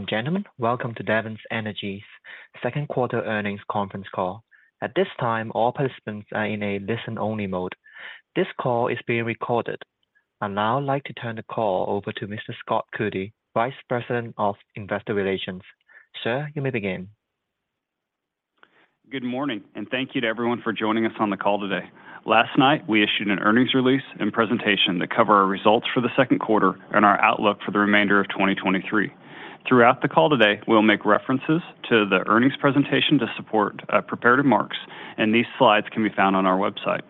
Ladies and gentlemen, welcome to Devon Energy's second quarter earnings conference call. At this time, all participants are in a listen-only mode. This call is being recorded. I'd now like to turn the call over to Mr. Scott Coody, Vice President of Investor Relations. Sir, you may begin. Good morning, thank you to everyone for joining us on the call today. Last night, we issued an earnings release and presentation that cover our results for the second quarter and our outlook for the remainder of 2023. Throughout the call today, we'll make references to the earnings presentation to support prepared remarks, these slides can be found on our website.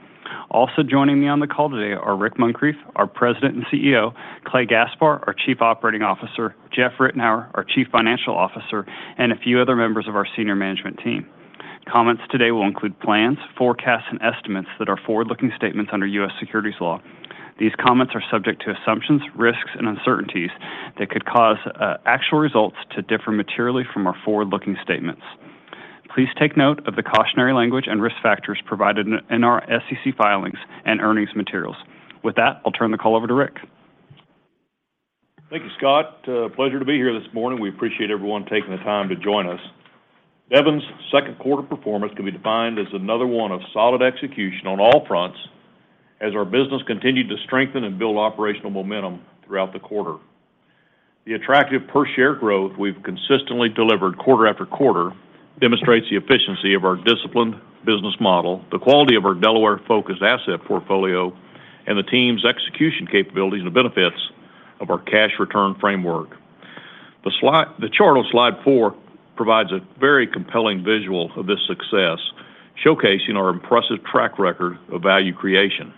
Also joining me on the call today are Rick Muncrief, our President and CEO, Clay Gaspar, our Chief Operating Officer, Jeff Ritenour, our Chief Financial Officer, and a few other members of our senior management team. Comments today will include plans, forecasts, and estimates that are forward-looking statements under U.S. securities law. These comments are subject to assumptions, risks, and uncertainties that could cause actual results to differ materially from our forward-looking statements. Please take note of the cautionary language and risk factors provided in our SEC filings and earnings materials. With that, I'll turn the call over to Rick. Thank you, Scott. Pleasure to be here this morning. We appreciate everyone taking the time to join us. Devon's second quarter performance can be defined as another one of solid execution on all fronts, as our business continued to strengthen and build operational momentum throughout the quarter. The attractive per-share growth we've consistently delivered quarter after quarter demonstrates the efficiency of our disciplined business model, the quality of our Delaware-focused asset portfolio, and the team's execution capabilities and the benefits of our cash return framework. The slide, the chart on slide four provides a very compelling visual of this success, showcasing our impressive track record of value creation.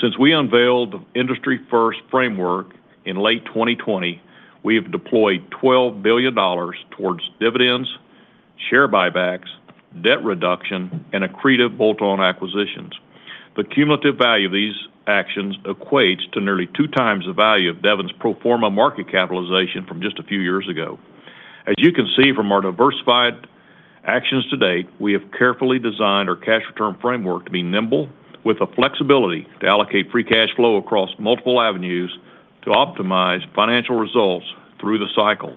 Since we unveiled the industry-first framework in late 2020, we have deployed $12 billion towards dividends, share buybacks, debt reduction, and accretive bolt-on acquisitions. The cumulative value of these actions equates to nearly 2 times the value of Devon's pro forma market capitalization from just a few years ago. As you can see from our diversified actions to date, we have carefully designed our cash return framework to be nimble, with the flexibility to allocate free cash flow across multiple avenues to optimize financial results through the cycle.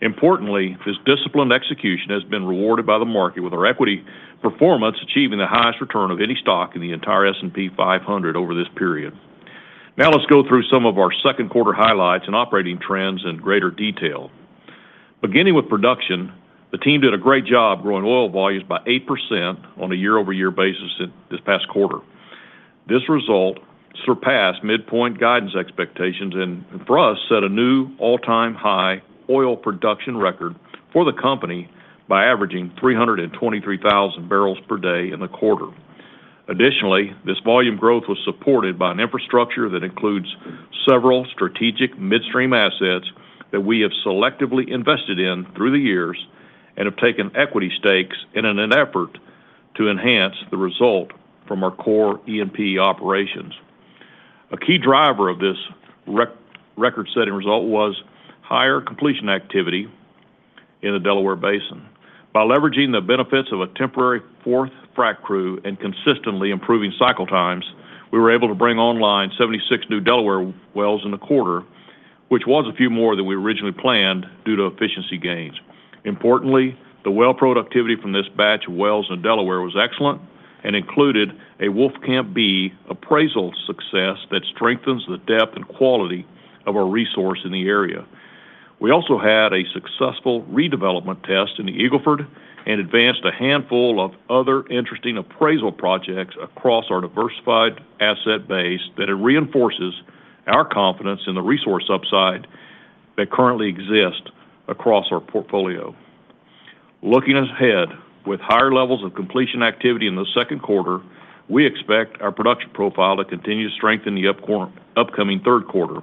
Importantly, this disciplined execution has been rewarded by the market, with our equity performance achieving the highest return of any stock in the entire S&P 500 over this period. Now let's go through some of our second quarter highlights and operating trends in greater detail. Beginning with production, the team did a great job growing oil volumes by 8% on a year-over-year basis in this past quarter. This result surpassed midpoint guidance expectations and, for us, set a new all-time high oil production record for the company by averaging 323,000 barrels per day in the quarter. Additionally, this volume growth was supported by an infrastructure that includes several strategic midstream assets that we have selectively invested in through the years and have taken equity stakes in an effort to enhance the result from our core E&P operations. A key driver of this record-setting result was higher completion activity in the Delaware Basin. By leveraging the benefits of a temporary fourth frac crew and consistently improving cycle times, we were able to bring online 76 new Delaware wells in the quarter, which was a few more than we originally planned due to efficiency gains. Importantly, the well productivity from this batch of wells in Delaware was excellent and included a Wolfcamp B appraisal success that strengthens the depth and quality of our resource in the area. We also had a successful redevelopment test in the Eagle Ford and advanced a handful of other interesting appraisal projects across our diversified asset base that it reinforces our confidence in the resource upside that currently exist across our portfolio. Looking ahead, with higher levels of completion activity in the second quarter, we expect our production profile to continue to strengthen the upcoming third quarter.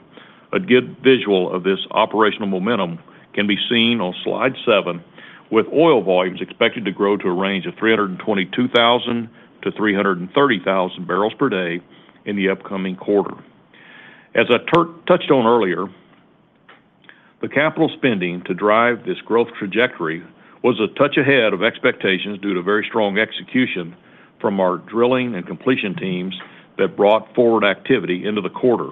A good visual of this operational momentum can be seen on slide seven, with oil volumes expected to grow to a range of 322,000-330,000 barrels per day in the upcoming quarter. As I touched on earlier, the capital spending to drive this growth trajectory was a touch ahead of expectations due to very strong execution from our drilling and completion teams that brought forward activity into the quarter.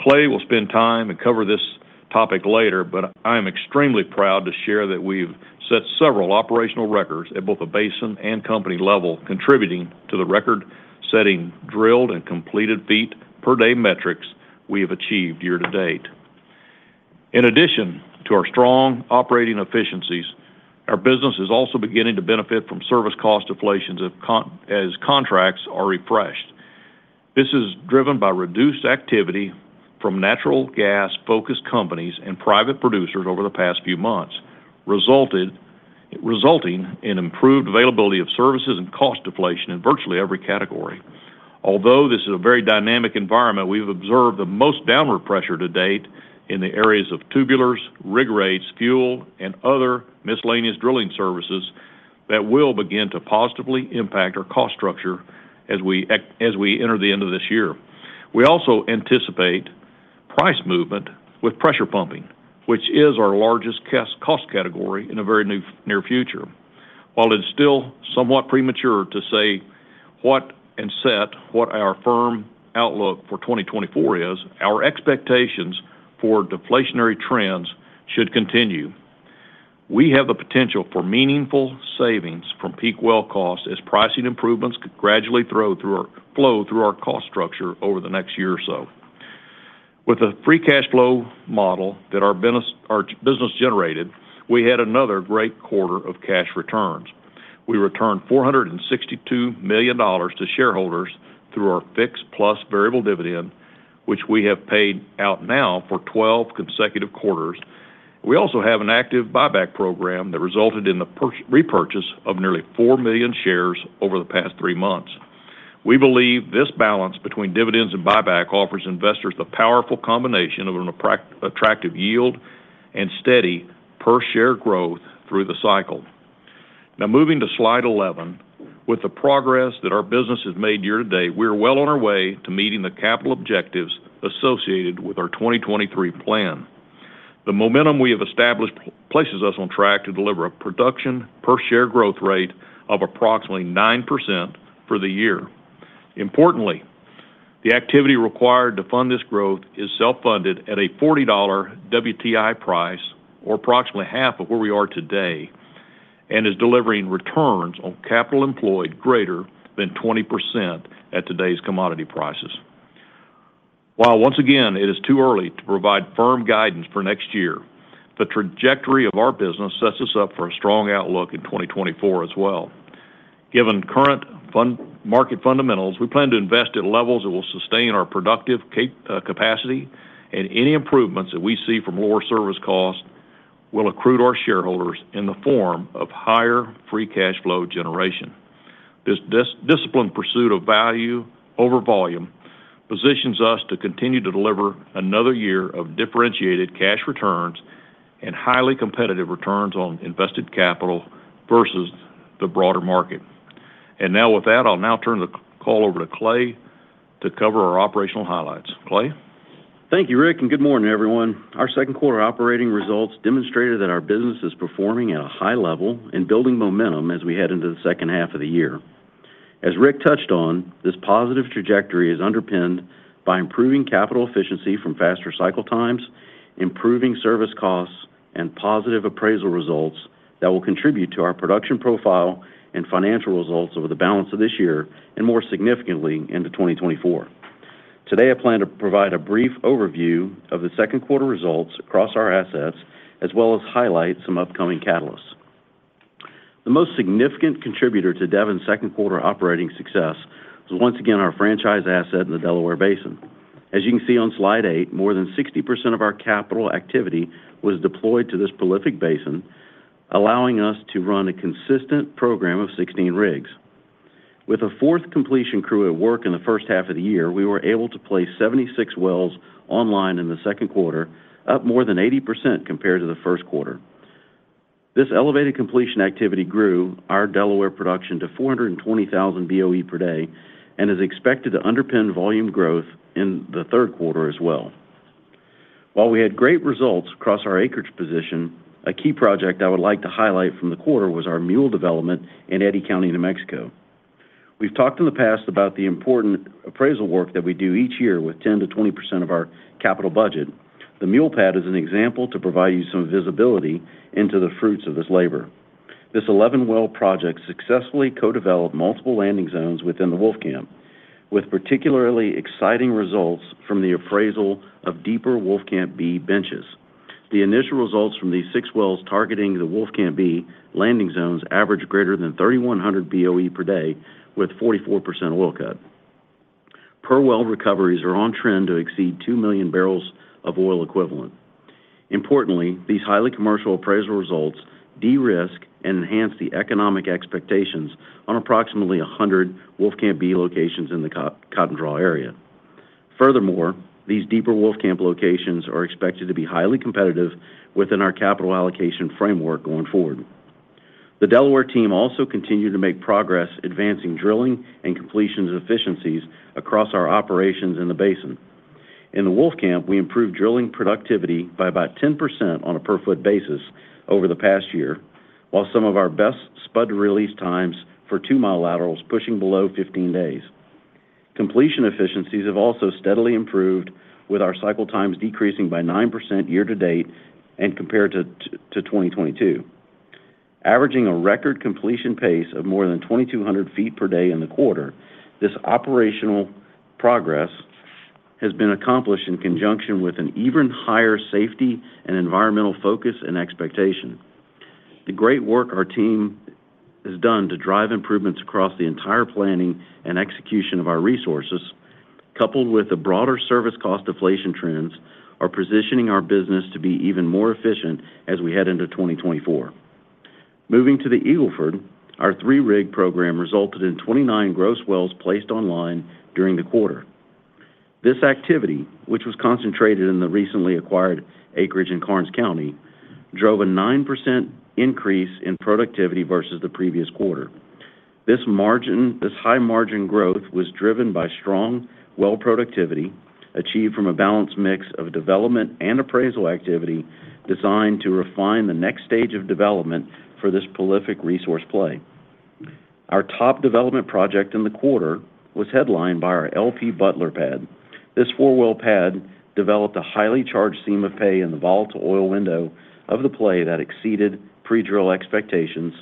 Clay will spend time to cover this topic later, but I am extremely proud to share that we've set several operational records at both the basin and company level, contributing to the record-setting drilled and completed feet per day metrics we have achieved year to date. In addition to our strong operating efficiencies, our business is also beginning to benefit from service cost deflations as contracts are refreshed. This is driven by reduced activity from natural gas-focused companies and private producers over the past few months, resulting in improved availability of services and cost deflation in virtually every category. Although this is a very dynamic environment, we've observed the most downward pressure to date in the areas of tubulars, rig rates, fuel, and other miscellaneous drilling services that will begin to positively impact our cost structure as we enter the end of this year. We also anticipate price movement with pressure pumping, which is our largest cost category, in the very near future. While it's still somewhat premature to say what and set what our firm outlook for 2024 is, our expectations for deflationary trends should continue. We have the potential for meaningful savings from peak well costs as pricing improvements gradually flow through our cost structure over the next year or so. With the free cash flow model that our business, our business generated, we had another great quarter of cash returns. We returned $462 million to shareholders through our fixed plus variable dividend, which we have paid out now for 12 consecutive quarters. We also have an active buyback program that resulted in the repurchase of nearly 4 million shares over the past three months. We believe this balance between dividends and buyback offers investors the powerful combination of an attractive yield and steady per-share growth through the cycle. Now, moving to slide 11, with the progress that our business has made year to date, we are well on our way to meeting the capital objectives associated with our 2023 plan. The momentum we have established places us on track to deliver a production per share growth rate of approximately 9% for the year. Importantly, the activity required to fund this growth is self-funded at a $40 WTI price, or approximately half of where we are today, and is delivering returns on capital employed greater than 20% at today's commodity prices. While once again, it is too early to provide firm guidance for next year, the trajectory of our business sets us up for a strong outlook in 2024 as well. Given current market fundamentals, we plan to invest at levels that will sustain our productive capacity, and any improvements that we see from lower service costs will accrue to our shareholders in the form of higher free cash flow generation. This discipline, pursuit of value over volume, positions us to continue to deliver another year of differentiated cash returns and highly competitive returns on invested capital versus the broader market. Now, with that, I'll now turn the call over to Clay to cover our operational highlights. Clay? Thank you, Rick, and good morning, everyone. Our second quarter operating results demonstrated that our business is performing at a high level and building momentum as we head into the second half of the year. As Rick touched on, this positive trajectory is underpinned by improving capital efficiency from faster cycle times, improving service costs, and positive appraisal results that will contribute to our production profile and financial results over the balance of this year and more significantly into 2024. Today, I plan to provide a brief overview of the second quarter results across our assets, as well as highlight some upcoming catalysts. The most significant contributor to Devon's second quarter operating success was once again our franchise asset in the Delaware Basin. As you can see on slide eight, more than 60% of our capital activity was deployed to this prolific basin, allowing us to run a consistent program of 16 rigs. With a fourth completion crew at work in the first half of the year, we were able to place 76 wells online in the second quarter, up more than 80% compared to the first quarter. This elevated completion activity grew our Delaware production to 420,000 BOE per day and is expected to underpin volume growth in the third quarter as well. While we had great results across our acreage position, a key project I would like to highlight from the quarter was our Mule development in Eddy County, New Mexico. We've talked in the past about the important appraisal work that we do each year with 10%-20% of our capital budget. The Mule pad is an example to provide you some visibility into the fruits of this labor. This 11-well project successfully co-developed multiple landing zones within the Wolfcamp, with particularly exciting results from the appraisal of deeper Wolfcamp B benches. The initial results from these six wells targeting the Wolfcamp B landing zones average greater than 3,100 BOE per day, with 44% oil cut. Per-well recoveries are on trend to exceed 2 million barrels of oil equivalent. Importantly, these highly commercial appraisal results de-risk and enhance the economic expectations on approximately 100 Wolfcamp B locations in the Cotton Draw area. Furthermore, these deeper Wolfcamp locations are expected to be highly competitive within our capital allocation framework going forward. The Delaware team also continued to make progress advancing drilling and completions efficiencies across our operations in the basin. In the Wolfcamp, we improved drilling productivity by about 10% on a per-foot basis over the past year, while some of our best spud release times for 2-mile laterals pushing below 15 days. Completion efficiencies have also steadily improved, with our cycle times decreasing by 9% year to date and compared to 2022. Averaging a record completion pace of more than 2,200 feet per day in the quarter, this operational progress has been accomplished in conjunction with an even higher safety and environmental focus and expectation. The great work our team has done to drive improvements across the entire planning and execution of our resources, coupled with the broader service cost deflation trends, are positioning our business to be even more efficient as we head into 2024. Moving to the Eagle Ford, our 3-rig program resulted in 29 gross wells placed online during the quarter. This activity, which was concentrated in the recently acquired acreage in Karnes County, drove a 9% increase in productivity versus the previous quarter. This margin, this high margin growth was driven by strong well productivity achieved from a balanced mix of development and appraisal activity designed to refine the next stage of development for this prolific resource play. Our top development project in the quarter was headlined by our L.P. Butler pad. This 4-well pad developed a highly charged seam of pay in the volatile oil window of the play that exceeded pre-drill expectations,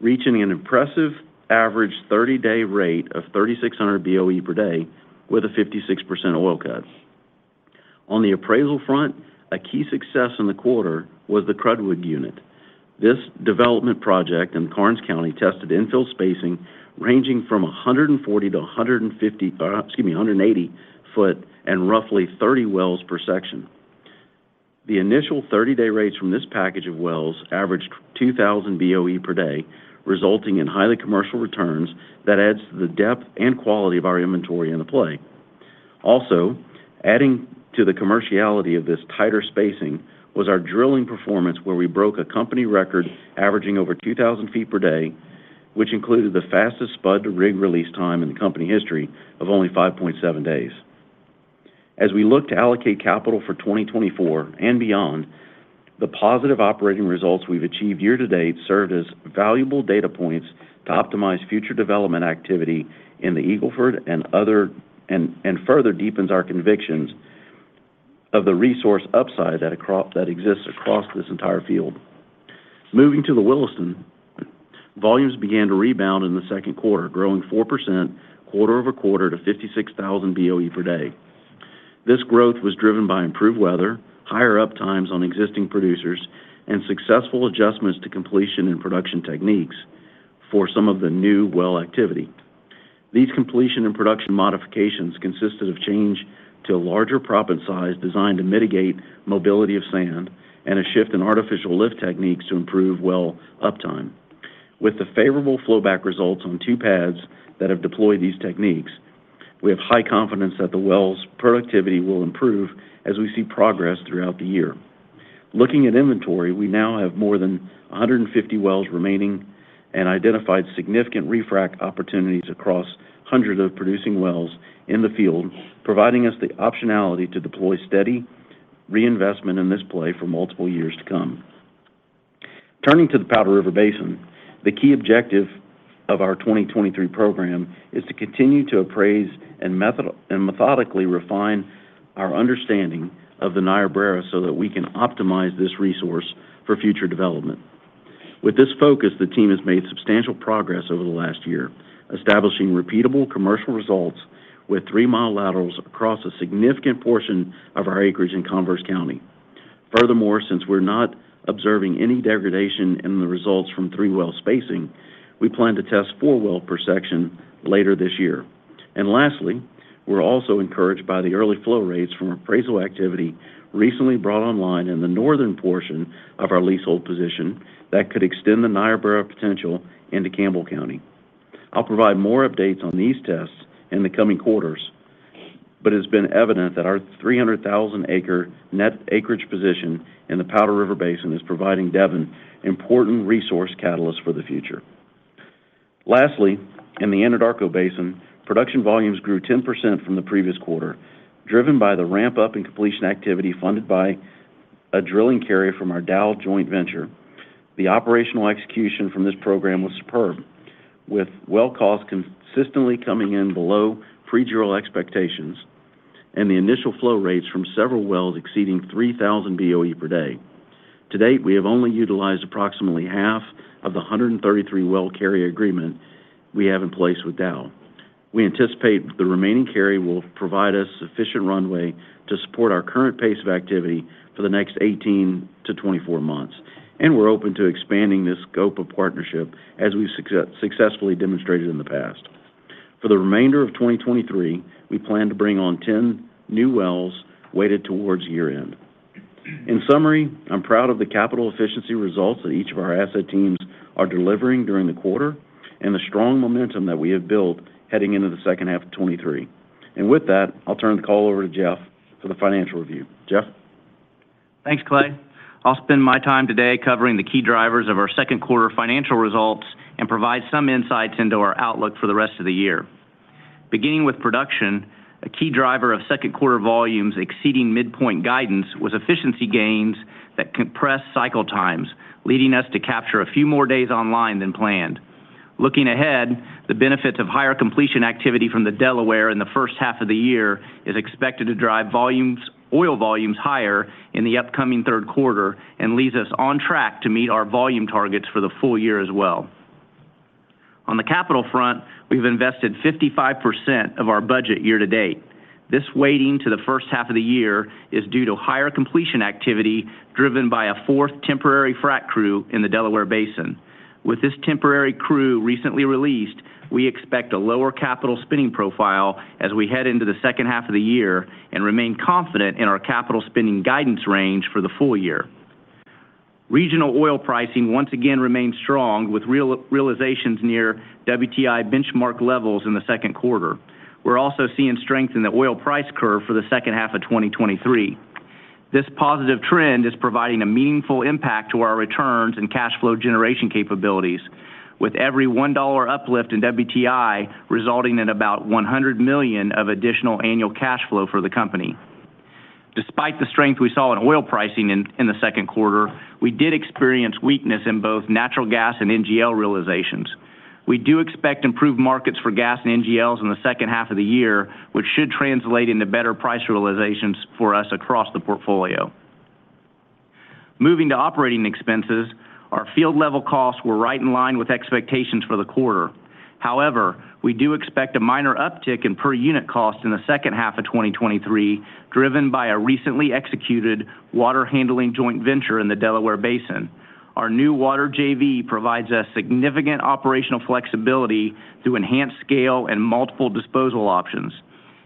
reaching an impressive average 30-day rate of 3,600 BOE per day with a 56% oil cut. On the appraisal front, a key success in the quarter was the Cedarwood unit. This development project in Karnes County tested infill spacing ranging from 140 to 150, excuse me, 180 foot and roughly 30 wells per section. The initial 30-day rates from this package of wells averaged 2,000 BOE per day, resulting in highly commercial returns that adds to the depth and quality of our inventory in the play. Also, adding to the commerciality of this tighter spacing was our drilling performance, where we broke a company record averaging over 2,000 feet per day, which included the fastest spud to rig release time in the company history of only 5.7 days. As we look to allocate capital for 2024 and beyond, the positive operating results we've achieved year to date served as valuable data points to optimize future development activity in the Eagle Ford and further deepens our convictions of the resource upside that exists across this entire field. Moving to the Williston, volumes began to rebound in the second quarter, growing 4% quarter-over-quarter to 56,000 BOE per day. This growth was driven by improved weather, higher up times on existing producers, and successful adjustments to completion and production techniques for some of the new well activity. These completion and production modifications consisted of change to a larger proppant size designed to mitigate mobility of sand and a shift in artificial lift techniques to improve well uptime. With the favorable flowback results on two pads that have deployed these techniques, we have high confidence that the wells' productivity will improve as we see progress throughout the year. Looking at inventory, we now have more than 150 wells remaining and identified significant refrac opportunities across hundreds of producing wells in the field, providing us the optionality to deploy steady reinvestment in this play for multiple years to come. Turning to the Powder River Basin, the key objective of our 2023 program is to continue to appraise and methodically refine our understanding of the Niobrara so that we can optimize this resource for future development. With this focus, the team has made substantial progress over the last year, establishing repeatable commercial results with 3-mile laterals across a significant portion of our acreage in Converse County. Furthermore, since we're not observing any degradation in the results from three well spacing, we plan to test four well per section later this year. Lastly, we're also encouraged by the early flow rates from appraisal activity recently brought online in the northern portion of our leasehold position that could extend the Niobrara potential into Campbell County. I'll provide more updates on these tests in the coming quarters, but it's been evident that our 300,000 acre net acreage position in the Powder River Basin is providing Devon important resource catalysts for the future. Lastly, in the Anadarko Basin, production volumes grew 10% from the previous quarter, driven by the ramp-up in completion activity funded by a drilling carry from our Dow joint venture. The operational execution from this program was superb, with well costs consistently coming in below pre-drill expectations and the initial flow rates from several wells exceeding 3,000 BOE per day. To date, we have only utilized approximately half of the 133 well carry agreement we have in place with Dow. We anticipate the remaining carry will provide us sufficient runway to support our current pace of activity for the next 18-24 months, and we're open to expanding this scope of partnership, as we've successfully demonstrated in the past. For the remainder of 2023, we plan to bring on 10 new wells weighted towards year-end. In summary, I'm proud of the capital efficiency results that each of our asset teams are delivering during the quarter and the strong momentum that we have built heading into the second half of 2023. With that, I'll turn the call over to Jeff for the financial review. Jeff? Thanks, Clay. I'll spend my time today covering the key drivers of our second quarter financial results and provide some insights into our outlook for the rest of the year. Beginning with production, a key driver of second quarter volumes exceeding midpoint guidance was efficiency gains that compressed cycle times, leading us to capture a few more days online than planned. Looking ahead, the benefits of higher completion activity from the Delaware in the first half of the year is expected to drive volumes, oil volumes higher in the upcoming third quarter and leaves us on track to meet our volume targets for the full year as well. On the capital front, we've invested 55% of our budget year to date. This weighting to the first half of the year is due to higher completion activity, driven by a fourth temporary frac crew in the Delaware Basin. With this temporary crew recently released, we expect a lower capital spending profile as we head into the second half of the year and remain confident in our capital spending guidance range for the full year. Regional oil pricing once again remains strong, with realizations near WTI benchmark levels in the second quarter. We're also seeing strength in the oil price curve for the second half of 2023. This positive trend is providing a meaningful impact to our returns and cash flow generation capabilities, with every $1 uplift in WTI resulting in about $100 million of additional annual cash flow for the company. Despite the strength we saw in oil pricing in the second quarter, we did experience weakness in both natural gas and NGL realizations. We do expect improved markets for gas and NGLs in the second half of the year, which should translate into better price realizations for us across the portfolio. Moving to operating expenses, our field-level costs were right in line with expectations for the quarter. However, we do expect a minor uptick in per-unit cost in the second half of 2023, driven by a recently executed water handling joint venture in the Delaware Basin. Our new water JV provides us significant operational flexibility through enhanced scale and multiple disposal options.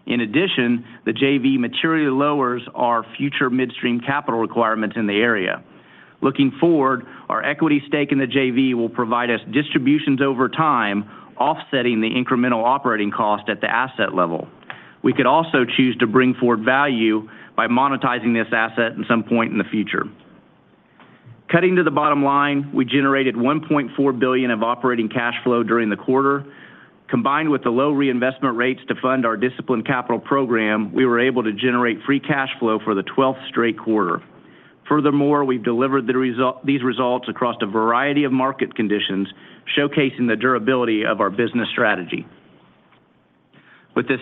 In addition, the JV materially lowers our future midstream capital requirements in the area. Looking forward, our equity stake in the JV will provide us distributions over time, offsetting the incremental operating cost at the asset level. We could also choose to bring forward value by monetizing this asset at some point in the future. Cutting to the bottom line, we generated $1.4 billion of operating cash flow during the quarter. Combined with the low reinvestment rates to fund our disciplined capital program, we were able to generate free cash flow for the 12th straight quarter. Furthermore, we've delivered these results across a variety of market conditions, showcasing the durability of our business strategy. With this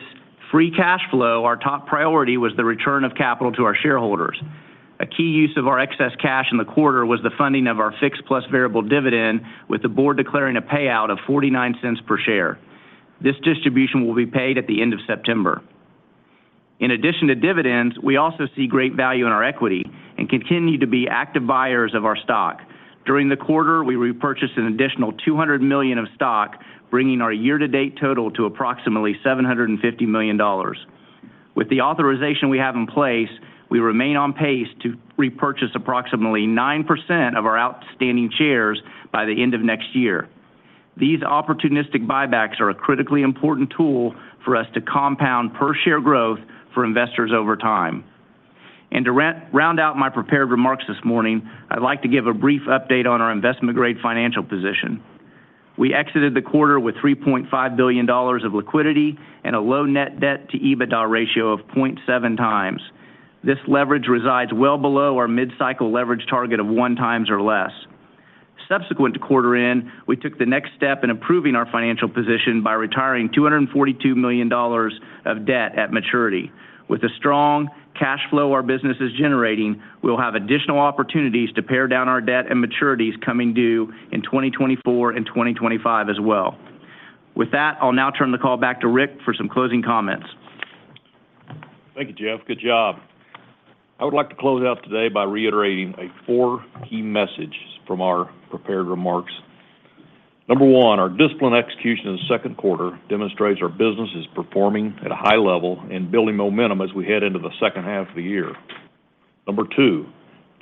free cash flow, our top priority was the return of capital to our shareholders. A key use of our excess cash in the quarter was the funding of our fixed plus variable dividend, with the board declaring a payout of $0.49 per share. This distribution will be paid at the end of September. In addition to dividends, we also see great value in our equity and continue to be active buyers of our stock. During the quarter, we repurchased an additional $200 million of stock, bringing our year-to-date total to approximately $750 million. With the authorization we have in place, we remain on pace to repurchase approximately 9% of our outstanding shares by the end of next year. These opportunistic buybacks are a critically important tool for us to compound per-share growth for investors over time. To round out my prepared remarks this morning, I'd like to give a brief update on our investment-grade financial position. We exited the quarter with $3.5 billion of liquidity and a low net debt to EBITDA ratio of 0.7 times. This leverage resides well below our mid-cycle leverage target of 1 time or less. Subsequent to quarter end, we took the next step in improving our financial position by retiring $242 million of debt at maturity. With the strong cash flow our business is generating, we'll have additional opportunities to pare down our debt and maturities coming due in 2024 and 2025 as well. With that, I'll now turn the call back to Rick for some closing comments. Thank you, Jeff. Good job. I would like to close out today by reiterating a four key message from our prepared remarks. Number one, our disciplined execution in the second quarter demonstrates our business is performing at a high level and building momentum as we head into the second half of the year. Number two,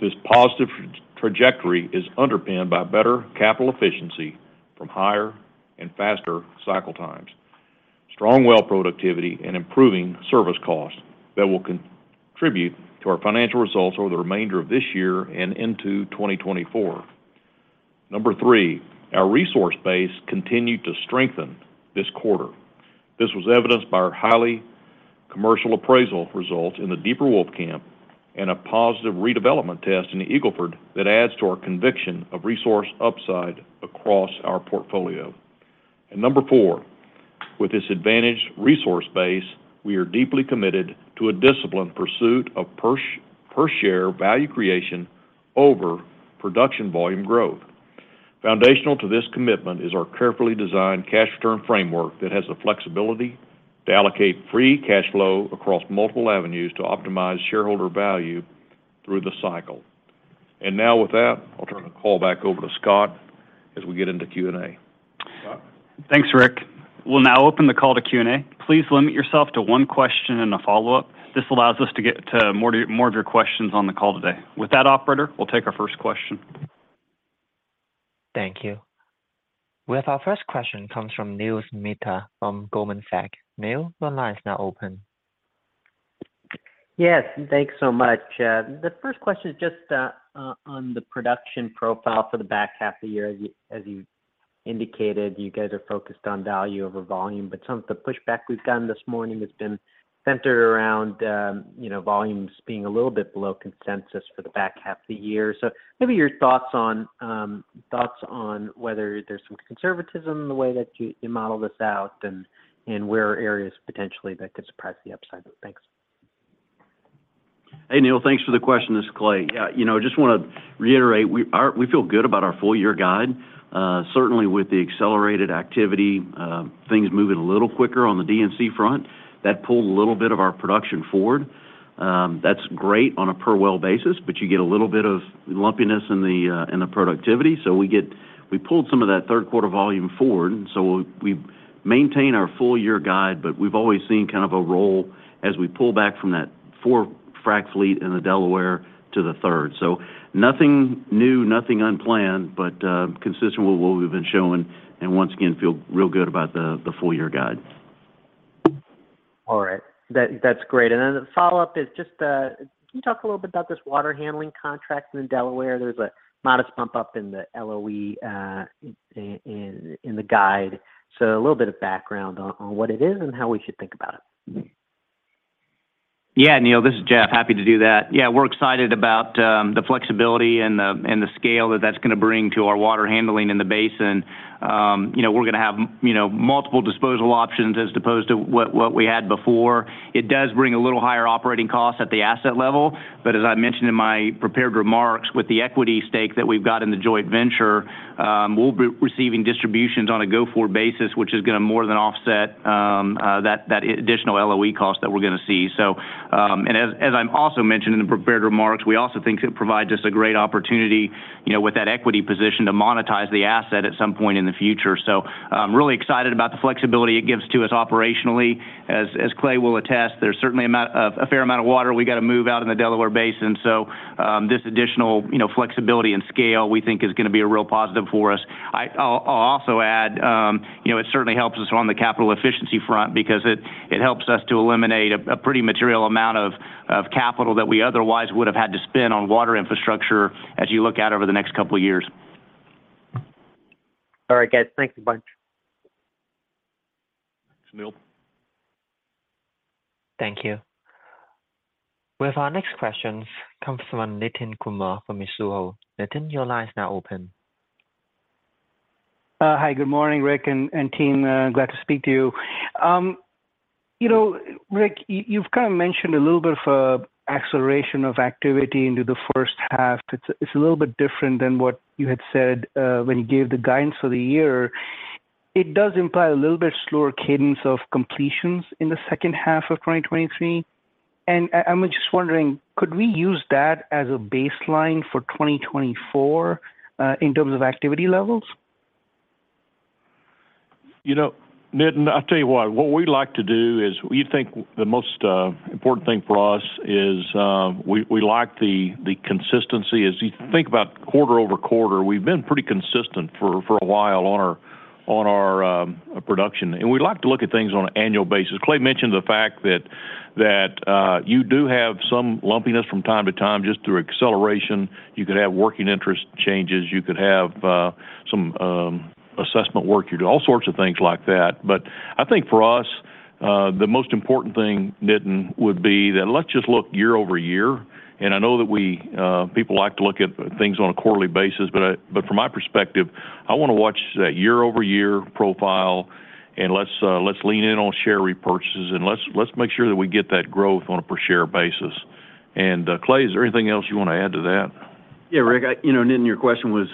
this positive trajectory is underpinned by better capital efficiency from higher and faster cycle times, strong well productivity, and improving service costs that will contribute to our financial results over the remainder of this year and into 2024. Number three, our resource base continued to strengthen this quarter. This was evidenced by our highly commercial appraisal results in the Deeper Wolfcamp and a positive redevelopment test in the Eagle Ford that adds to our conviction of resource upside across our portfolio. Number four, with this advantaged resource base, we are deeply committed to a disciplined pursuit of per share value creation over production volume growth. Foundational to this commitment is our carefully designed cash return framework that has the flexibility to allocate free cash flow across multiple avenues to optimize shareholder value through the cycle. Now, with that, I'll turn the call back over to Scott as we get into Q and A. Scott? Thanks, Rick. We'll now open the call to Q and A. Please limit yourself to one question and a follow-up. This allows us to get to more, more of your questions on the call today. With that, operator, we'll take our first question. Thank you. With our first question comes from Neil Mehta from Goldman Sachs. Neil, the line is now open. Yes, thanks so much. The first question is just on, on the production profile for the back half of the year. As you, as you indicated, you guys are focused on value over volume, but some of the pushback we've gotten this morning has been centered around, you know, volumes being a little bit below consensus for the back half of the year. Maybe your thoughts on thoughts on whether there's some conservatism in the way that you, you model this out, and, and where are areas potentially that could surprise the upside? Thanks. Hey, Neil. Thanks for the question. This is Clay. you know, just wanna reiterate, we feel good about our full-year guide. Certainly with the accelerated activity, things moving a little quicker on the D&C front, that pulled a little bit of our production forward. That's great on a per-well basis, but you get a little bit of lumpiness in the productivity. We pulled some of that third quarter volume forward, so we, we maintain our full-year guide, but we've always seen kind of a roll as we pull back from that 4-frack fleet in the Delaware to the third. Nothing new, nothing unplanned, but consistent with what we've been showing, and once again, feel real good about the, the full-year guide. All right. That, that's great. The follow-up is just, can you talk a little bit about this water handling contract in Delaware? There's a modest bump up in the LOE in the guide. A little bit of background on what it is and how we should think about it. Neil, this is Jeff. Happy to do that. We're excited about the flexibility and the, and the scale that that's gonna bring to our water handling in the basin. You know, we're gonna have, you know, multiple disposal options as opposed to what, what we had before. It does bring a little higher operating costs at the asset level, but as I mentioned in my prepared remarks, with the equity stake that we've got in the joint venture, we'll be receiving distributions on a go-forward basis, which is gonna more than offset that, that additional LOE cost that we're gonna see. As, as I'm also mentioned in the prepared remarks, we also think it provides us a great opportunity, you know, with that equity position, to monetize the asset at some point in the future. I'm really excited about the flexibility it gives to us operationally. As Clay will attest, there's certainly a fair amount of water we got to move out in the Delaware Basin. This additional, you know, flexibility and scale, we think is gonna be a real positive for us. I'll also add, you know, it certainly helps us on the capital efficiency front because it helps us to eliminate a pretty material amount of capital that we otherwise would have had to spend on water infrastructure as you look out over the next couple of years. All right, guys. Thanks a bunch. Thanks, Neil. Thank you. Our next question comes from Nitin Kumar from Mizuho. Nitin, your line is now open. Hi, good morning, Rick and, and team. Glad to speak to you. You know, Rick, you've kind of mentioned a little bit of a acceleration of activity into the first half. It's, it's a little bit different than what you had said, when you gave the guidance for the year. It does imply a little bit slower cadence of completions in the second half of 2023. I, I'm just wondering: Could we use that as a baseline for 2024, in terms of activity levels? You know, Nitin, I'll tell you what. What we like to do is we think the most important thing for us is, we, we like the consistency. As you think about quarter-over-quarter, we've been pretty consistent for, for a while on our, on our production, and we like to look at things on an annual basis. Clay mentioned the fact that, that, you do have some lumpiness from time to time, just through acceleration. You could have working interest changes, you could have, some assessment work. You do all sorts of things like that. But I think for us, the most important thing, Nitin, would be that let's just look year-over-year. And I know that we, people like to look at things on a quarterly basis, but from my perspective, I wanna watch that year-over-year profile, and let's, let's lean in on share repurchases, and let's, let's make sure that we get that growth on a per-share basis. Clay, is there anything else you wanna add to that? Yeah, Rick, I, you know, Nitin, your question was,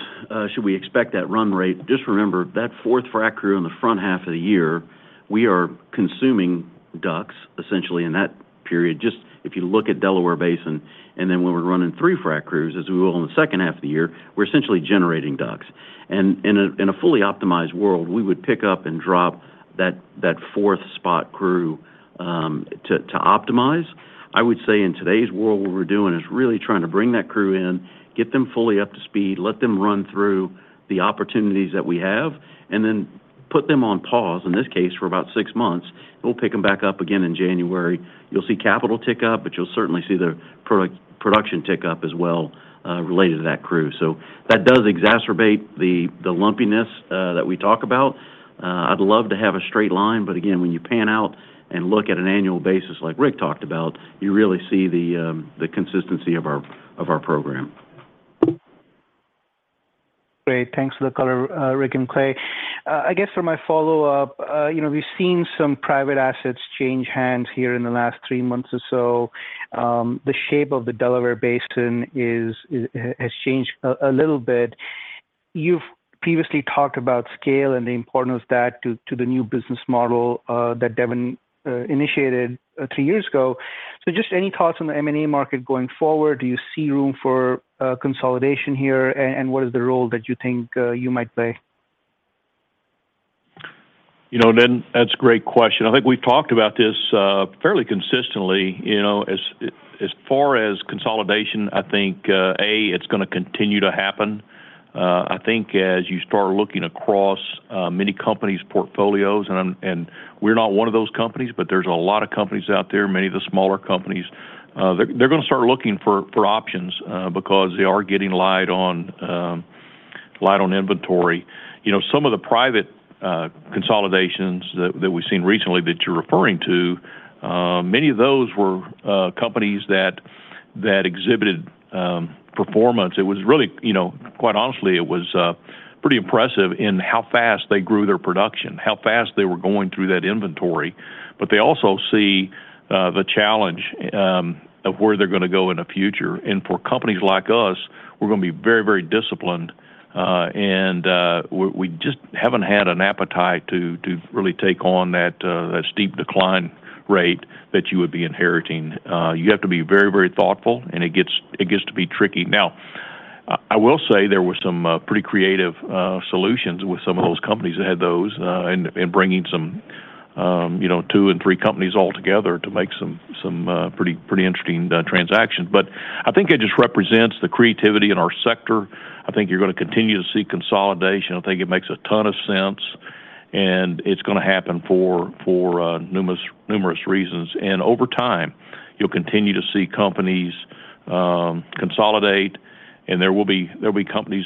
should we expect that run rate? Just remember, that fourth frac crew in the front half of the year, we are consuming DUCs, essentially, in that period. Just if you look at Delaware Basin, and then when we're running three frac crews, as we will in the second half of the year, we're essentially generating DUCs. In a fully optimized world, we would pick up and drop that, that fourth spot crew to optimize. I would say in today's world, what we're doing is really trying to bring that crew in, get them fully up to speed, let them run through the opportunities that we have, and then put them on pause, in this case, for about six months. We'll pick them back up again in January. You'll see capital tick up, but you'll certainly see the production tick up as well, related to that crew. That does exacerbate the, the lumpiness, that we talk about. I'd love to have a straight line, again, when you pan out and look at an annual basis, like Rick talked about, you really see the consistency of our, of our program. Great. Thanks for the color, Rick and Clay. I guess for my follow-up, you know, we've seen some private assets change hands here in the last three months or so. The shape of the Delaware Basin has changed a little bit. You've previously talked about scale and the importance of that to the new business model that Devon initiated three years ago. Just any thoughts on the M&A market going forward? Do you see room for consolidation here, and what is the role that you think you might play? You know, Nitin, that's a great question. I think we've talked about this, fairly consistently. You know, as, as far as consolidation, I think, A, it's gonna continue to happen. I think as you start looking across many companies' portfolios, and we're not one of those companies, but there's a lot of companies out there, many of the smaller companies, they're, they're gonna start looking for, for options, because they are getting light on inventory. You know, some of the private consolidations that, that we've seen recently that you're referring to, many of those were companies that, that exhibited performance. It was really. You know, quite honestly, it was, pretty impressive in how fast they grew their production, how fast they were going through that inventory, they also see, the challenge, of where they're gonna go in the future. For companies like us, we're gonna be very, very disciplined, and, we, we just haven't had an appetite to, to really take on that, that steep decline rate that you would be inheriting. You have to be very, very thoughtful, and it gets, it gets to be tricky. I, I will say there were some, pretty creative, solutions with some of those companies that had those, in, in bringing some, you know, two and three companies all together to make some, some, pretty, pretty interesting, transactions. I think it just represents the creativity in our sector. I think you're gonna continue to see consolidation. I think it makes a ton of sense, and it's gonna happen for, for, numerous, numerous reasons. Over time, you'll continue to see companies, consolidate, and there will be, there will be companies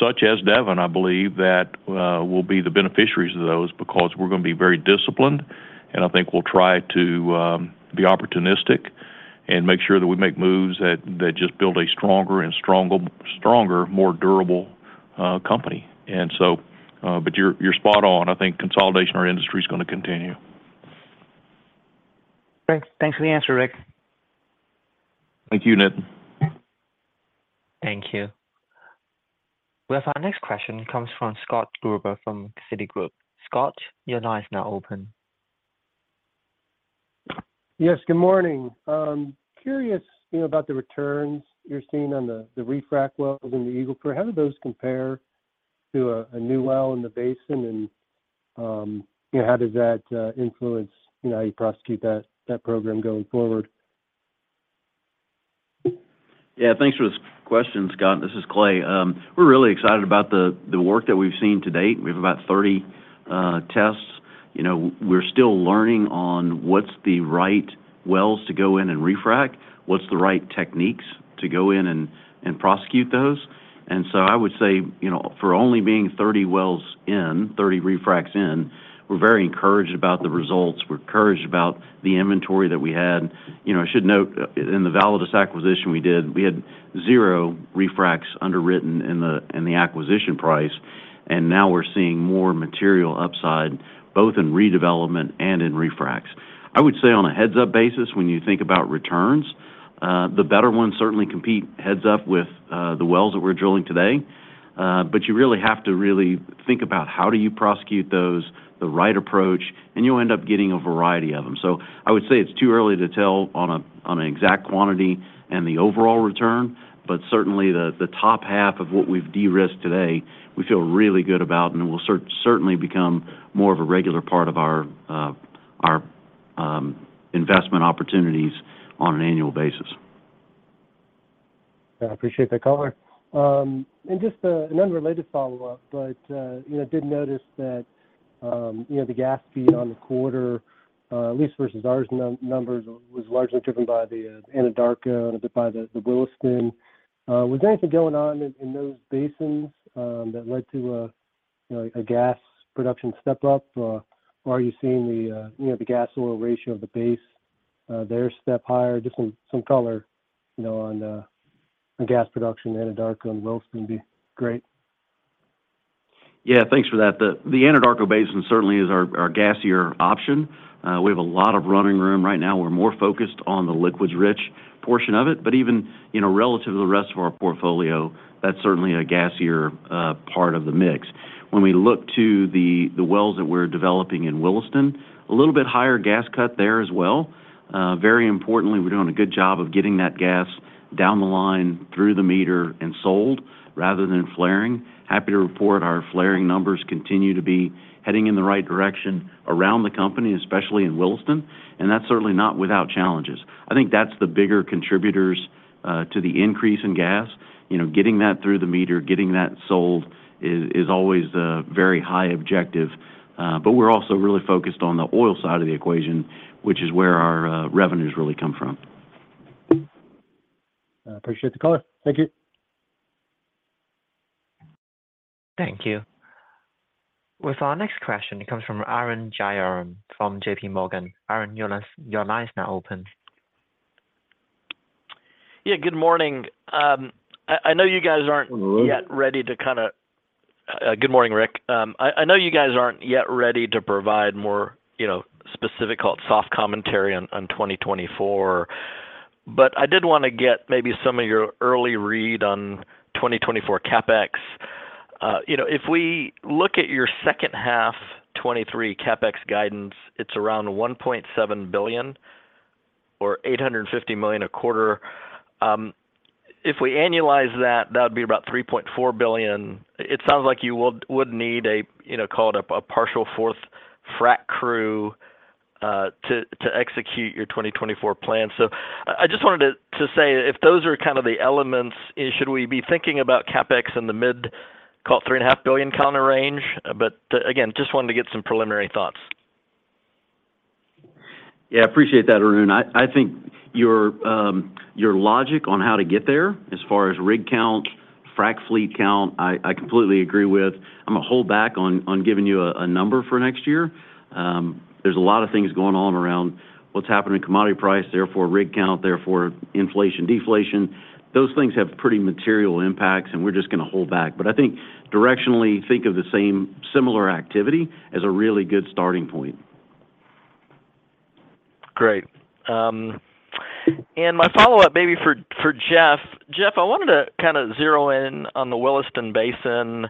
such as Devon, I believe, that, will be the beneficiaries of those because we're gonna be very disciplined, and I think we'll try to, be opportunistic and make sure that we make moves that, that just build a stronger and stronger, stronger, more durable, company. But you're, you're spot on. I think consolidation in our industry is gonna continue. Great. Thanks for the answer, Rick. Thank you, Nitin. Thank you. Well, our next question comes from Scott Gruber from Citigroup. Scott, your line is now open. Yes, good morning. Curious, you know, about the returns you're seeing on the, the refrac wells in the Eagle Ford? How do those compare to a, a new well in the basin? You know, how does that influence, you know, how you prosecute that, that program going forward? Yeah, thanks for this question, Scott. This is Clay. We're really excited about the, the work that we've seen to date. We have about 30 tests. You know, we're still learning on what's the right wells to go in and refrac, what's the right techniques to go in and, and prosecute those. I would say, you know, for only being 30 wells in, 30 refracs in, we're very encouraged about the results. We're encouraged about the inventory that we had. You know, I should note, in the Validus acquisition we did, we had zero refracs underwritten in the, in the acquisition price, and now we're seeing more material upside, both in redevelopment and in refracs. I would say on a heads-up basis, when you think about returns, the better ones certainly compete heads up with, the wells that we're drilling today. You really have to really think about how do you prosecute those, the right approach, and you'll end up getting a variety of them. So I would say it's too early to tell on an exact quantity and the overall return, but certainly the top half of what we've de-risked today, we feel really good about, and it will certainly become more of a regular part of our, our investment opportunities on an annual basis. I appreciate that, Clay. Just a, an unrelated follow-up, but, you know, I did notice that, you know, the gas feed on the quarter, at least versus our numbers, was largely driven by the Anadarko and a bit by the Williston. Was anything going on in, in those basins, that led to a, you know, a gas production step-up? Are you seeing the, you know, the gas-oil ratio of the base, there step higher? Just some, some color, you know, on the, on gas production, Anadarko and Williston would be great. Yeah, thanks for that. The, the Anadarko Basin certainly is our, our gassier option. We have a lot of running room right now. We're more focused on the liquids-rich portion of it. Even, you know, relative to the rest of our portfolio, that's certainly a gassier part of the mix. When we look to the, the wells that we're developing in Williston, a little bit higher gas cut there as well. Very importantly, we're doing a good job of getting that gas down the line, through the meter, and sold, rather than flaring. Happy to report our flaring numbers continue to be heading in the right direction around the company, especially in Williston, and that's certainly not without challenges. I think that's the bigger contributors to the increase in gas. You know, getting that through the meter, getting that sold is, is always a very high objective, but we're also really focused on the oil side of the equation, which is where our revenues really come from. I appreciate the call. Thank you. Thank you. With our next question, it comes from Arun Jayaram from JPMorgan. Arun, your line is now open. Yeah, good morning. I, I know you guys aren't- Good morning Arun. Yet ready to kinda. Good morning, Rick. I, I know you guys aren't yet ready to provide more, you know, specific called soft commentary on, on 2024, but I did wanna get maybe some of your early read on 2024 CapEx. You know, if we look at your second half 2023 CapEx guidance, it's around $1.7 billion or $850 million a quarter. If we annualize that, that would be about $3.4 billion. It sounds like you would, would need a, you know, call it a, a partial fourth frac crew, to, to execute your 2024 plan. I, I just wanted to, to say, if those are kind of the elements, should we be thinking about CapEx in the mid, call it $3.5 billion range? Again, just wanted to get some preliminary thoughts. Yeah, appreciate that, Arun. I, I think your, your logic on how to get there as far as rig count, frac fleet count, I, I completely agree with. I'm gonna hold back on, on giving you a number for next year. There's a lot of things going on around what's happening in commodity price, therefore, rig count, therefore, inflation, deflation. Those things have pretty material impacts, and we're just gonna hold back. I think directionally, think of the same similar activity as a really good starting point. Great. My follow-up maybe for, for Jeff. Jeff, I wanted to kinda zero in on the Williston Basin.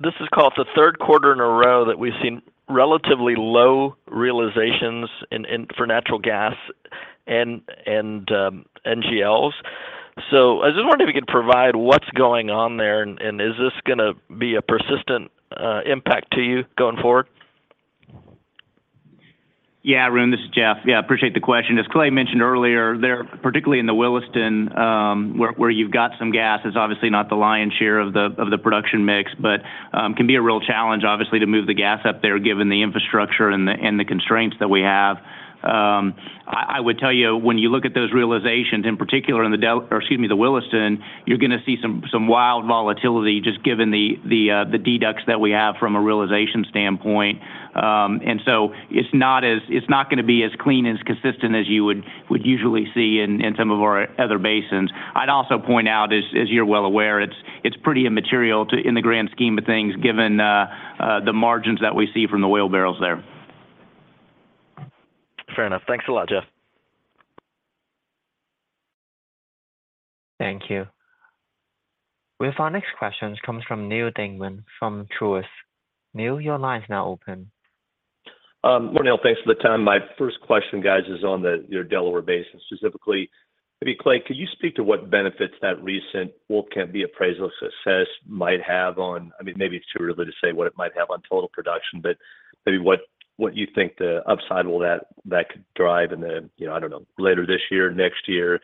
This is called the third quarter in a row that we've seen relatively low realizations in for natural gas and NGLs. I just wondered if you could provide what's going on there, and is this gonna be a persistent impact to you going forward? Yeah, Arun, this is Jeff. Yeah, appreciate the question. As Clay mentioned earlier, there, particularly in the Williston, where, where you've got some gas, is obviously not the lion's share of the, of the production mix, but, can be a real challenge, obviously, to move the gas up there, given the infrastructure and the, and the constraints that we have. I, I would tell you, when you look at those realizations, in particular in the Delaware, or excuse me, the Williston, you're gonna see some, some wild volatility, just given the, the, the deducts that we have from a realization standpoint. And so it's not gonna be as clean and as consistent as you would, would usually see in, in some of our other basins. I'd also point out, as, as you're well aware, it's, it's pretty immaterial to, in the grand scheme of things, given the margins that we see from the oil barrels there. Fair enough. Thanks a lot, Jeff. Thank you. Well, our next question comes from Neal Dingmann, from Truist. Neal, your line is now open. Good morning, Neal, thanks for the time. My first question, guys, is on the, your Delaware Basin. Specifically, maybe Clay, could you speak to what benefits that recent Wolfcamp B appraisal success might have on, I mean, maybe it's too early to say what it might have on total production, but maybe what, what you think the upside will that, that could drive in the, you know, I don't know, later this year, next year?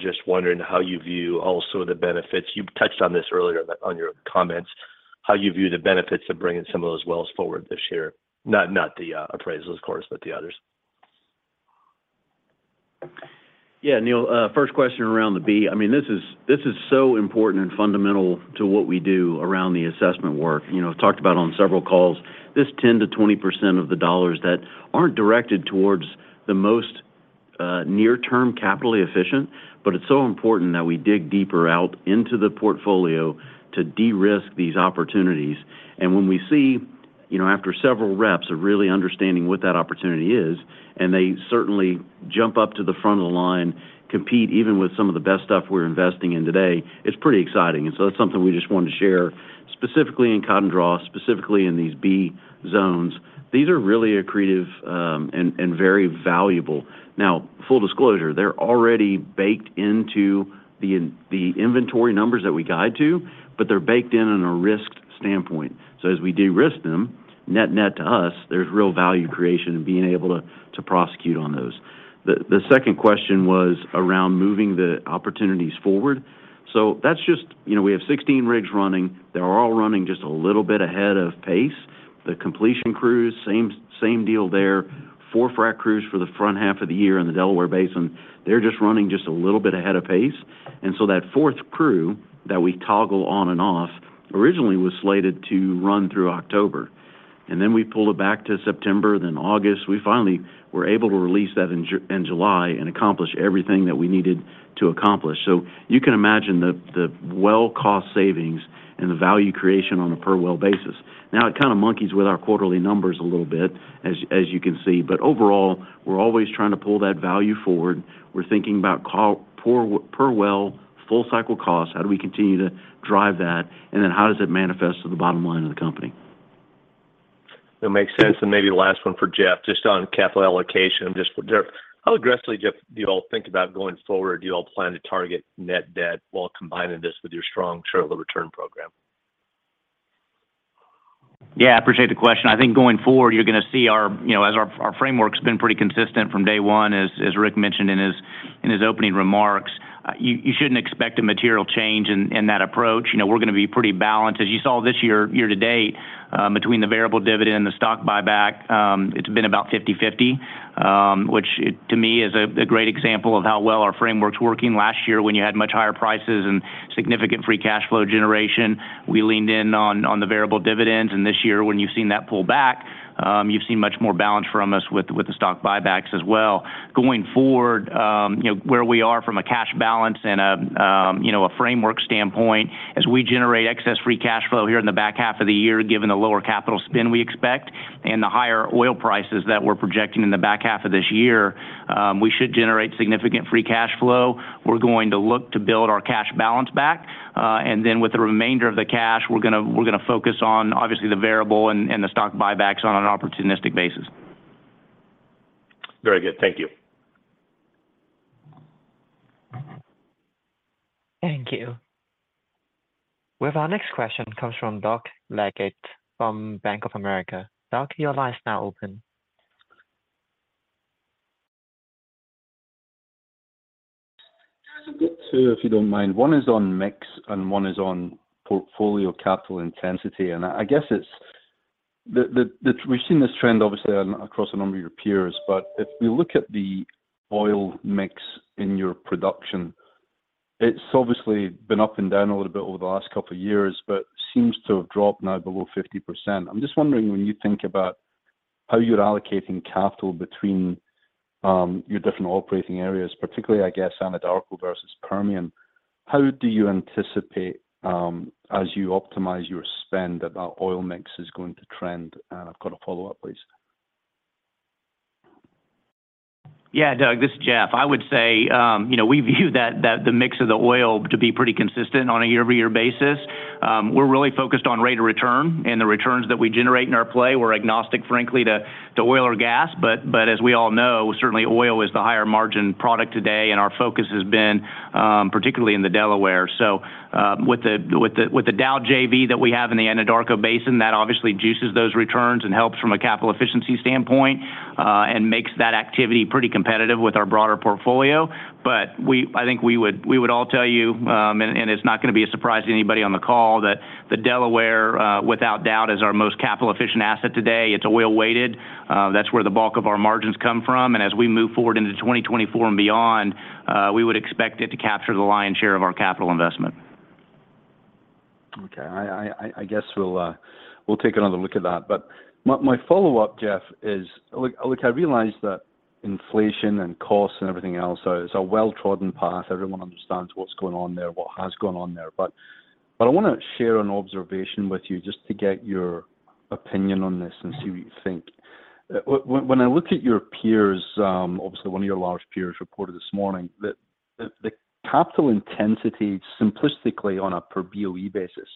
Just wondering how you view also the benefits, you've touched on this earlier on your comments, how you view the benefits of bringing some of those wells forward this year? Not, not the appraisals, of course, but the others. Yeah, Neil, first question around the Wolfcamp B. I mean, this is, this is so important and fundamental to what we do around the assessment work. You know, talked about on several calls, this 10%-20% of the dollars that aren't directed towards the most near-term capitally efficient, but it's so important that we dig deeper out into the portfolio to de-risk these opportunities. When we see, you know, after several reps of really understanding what that opportunity is, and they certainly jump up to the front of the line, compete even with some of the best stuff we're investing in today, it's pretty exciting. So that's something we just wanted to share, specifically in Cotton Draw, specifically in these Wolfcamp B zones. These are really accretive, and very valuable. Now, full disclosure, they're already baked into the inventory numbers that we guide to, but they're baked in on a risked standpoint. As we de-risk them, net-net to us, there's real value creation in being able to, to prosecute on those. The second question was around moving the opportunities forward. You know, we have 16 rigs running. They're all running just a little bit ahead of pace. The completion crews, same, same deal there. Four frack crews for the front half of the year in the Delaware Basin. They're just running just a little bit ahead of pace. That fourth crew that we toggle on and off originally was slated to run through October, then we pulled it back to September, then August. We finally were able to release that in July and accomplish everything that we needed to accomplish. You can imagine the, the well cost savings and the value creation on a per-well basis. Now, it kind of monkeys with our quarterly numbers a little bit, as, as you can see, but overall, we're always trying to pull that value forward. We're thinking about per well, full cycle cost, how do we continue to drive that? Then how does it manifest to the bottom line of the company? It makes sense, and maybe the last one for Jeff, just on capital allocation. Just for Jeff, how aggressively, Jeff, do you all think about going forward? Do you all plan to target net debt while combining this with your strong short-lived return program? Yeah, I appreciate the question. I think going forward, you're gonna see our, you know, as our, our framework's been pretty consistent from day one, as, as Rick mentioned in his, in his opening remarks. You, you shouldn't expect a material change in, in that approach. You know, we're gonna be pretty balanced. As you saw this year, year to date, between the variable dividend and the stock buyback, it's been about 50/50, which to me is a, a great example of how well our framework's working. Last year, when you had much higher prices and significant free cash flow generation, we leaned in on, on the variable dividends, and this year, when you've seen that pull back, you've seen much more balance from us with, with the stock buybacks as well. Going forward, you know, where we are from a cash balance and a, you know, a framework standpoint, as we generate excess free cash flow here in the back half of the year, given the lower capital spend we expect and the higher oil prices that we're projecting in the back half of this year, we should generate significant free cash flow. We're going to look to build our cash balance back, and then with the remainder of the cash, we're gonna, we're gonna focus on obviously the variable and, and the stock buybacks on an opportunistic basis. Very good. Thank you. Thank you. Well, our next question comes from Doug Leggate from Bank of America. Doug, your line is now open. Guys, I've got two, if you don't mind. One is on mix, and one is on portfolio capital intensity, and I guess it's we've seen this trend, obviously, on across a number of your peers, but if we look at the oil mix in your production, it's obviously been up and down a little bit over the last couple of years, but seems to have dropped now below 50%. I'm just wondering, when you think about how you're allocating capital between your different operating areas, particularly, I guess, Anadarko versus Permian, how do you anticipate, as you optimize your spend, that that oil mix is going to trend? I've got a follow-up, please. Yeah, Doug, this is Jeff. I would say, you know, we view that, that the mix of the oil to be pretty consistent on a year-over-year basis. We're really focused on rate of return, and the returns that we generate in our play. We're agnostic, frankly, to, to oil or gas, but, but as we all know, certainly oil is the higher margin product today, and our focus has been particularly in the Delaware. With the, with the, with the Dow Inc. that we have in the Anadarko Basin, that obviously juices those returns and helps from a capital efficiency standpoint, and makes that activity pretty competitive with our broader portfolio. I think we would, we would all tell you, and it's not gonna be a surprise to anybody on the call, that the Delaware, without doubt, is our most capital efficient asset today. It's oil-weighted. That's where the bulk of our margins come from, as we move forward into 2024 and beyond, we would expect it to capture the lion's share of our capital investment. Okay. I, I, I, I guess we'll take another look at that. My, my follow-up, Jeff, is, look, look, I realize that inflation and costs and everything else are, it's a well-trodden path. Everyone understands what's going on there, what has gone on there. But I wanna share an observation with you just to get your opinion on this and see what you think. When I look at your peers, obviously one of your large peers reported this morning, that the, the capital intensity, simplistically, on a per BOE basis,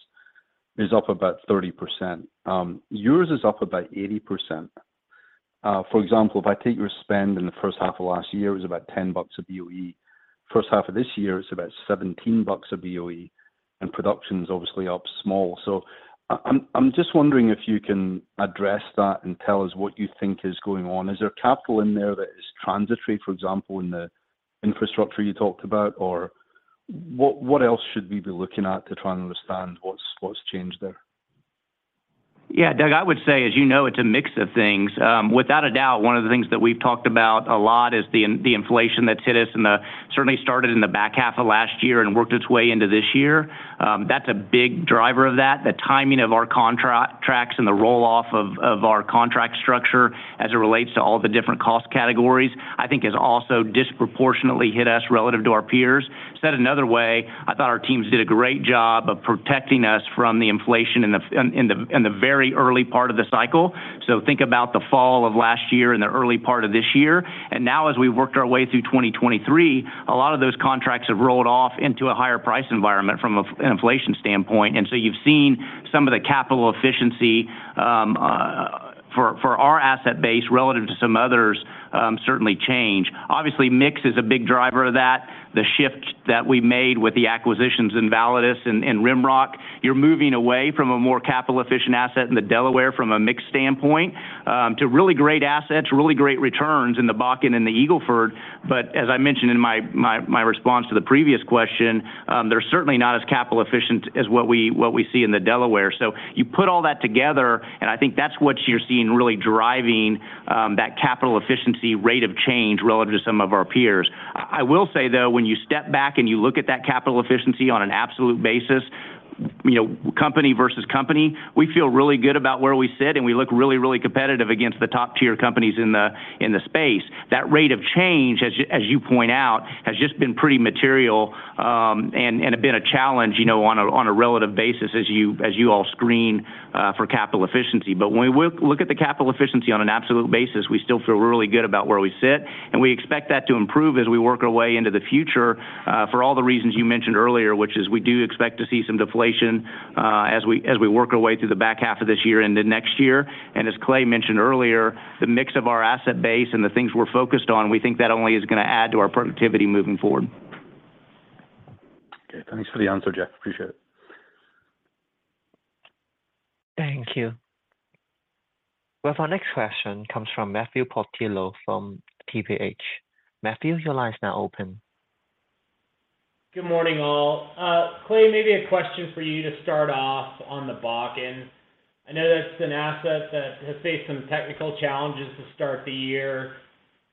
is up about 30%. Yours is up about 80%. For example, if I take your spend in the first half of last year, it was about $10 a BOE. First half of this year, it's about $17 a BOE, and production's obviously up small. I'm just wondering if you can address that and tell us what you think is going on. Is there capital in there that is transitory, for example, in the infrastructure you talked about? What, what else should we be looking at to try and understand what's, what's changed there? Yeah, Doug, I would say, as you know, it's a mix of things. Without a doubt, one of the things that we've talked about a lot is the inflation that's hit us, and certainly started in the back half of last year and worked its way into this year. That's a big driver of that. The timing of our contract tracks and the roll-off of our contract structure as it relates to all the different cost categories, I think has also disproportionately hit us relative to our peers. Said another way, I thought our teams did a great job of protecting us from the inflation in the, in the very early part of the cycle. Think about the fall of last year and the early part of this year, and now as we've worked our way through 2023, a lot of those contracts have rolled off into a higher price environment from an inflation standpoint. You've seen some of the capital efficiency for our asset base relative to some others, certainly change. Obviously, mix is a big driver of that. The shift that we made with the acquisitions in Validus and RimRock, you're moving away from a more capital efficient asset in the Delaware from a mix standpoint, to really great assets, really great returns in the Bakken and the Eagle Ford. As I mentioned in my, my, my response to the previous question, they're certainly not as capital efficient as what we, what we see in the Delaware. You put all that together, and I think that's what you're seeing really driving that capital efficiency rate of change relative to some of our peers. I, I will say, though, when you step back and you look at that capital efficiency on an absolute basis, you know, company versus company, we feel really good about where we sit, and we look really, really competitive against the top-tier companies in the space. That rate of change, as you point out, has just been pretty material, and have been a challenge, you know, on a relative basis as you all screen for capital efficiency. When we look, look at the capital efficiency on an absolute basis, we still feel really good about where we sit, and we expect that to improve as we work our way into the future, for all the reasons you mentioned earlier, which is we do expect to see some deflation, as we work our way through the back half of this year and the next year. As Clay mentioned earlier, the mix of our asset base and the things we're focused on, we think that only is gonna add to our productivity moving forward. Okay, thanks for the answer, Jeff. Appreciate it. Thank you. Well, our next question comes from Matthew Portillo from TPH&Co.. Matthew, your line is now open. Good morning, all. Clay, maybe a question for you to start off on the Bakken. I know that's an asset that has faced some technical challenges to start the year.